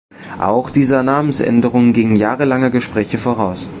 Auch dieser Namensänderung gingen jahrelange Gespräche voraus.